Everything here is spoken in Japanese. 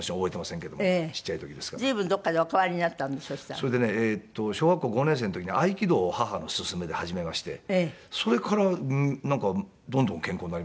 それでね小学校５年生の時に合気道を母の勧めで始めましてそれからなんかどんどん健康になりましたね。